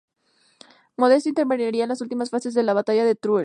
Modesto intervendría en las últimas fases de la Batalla de Teruel.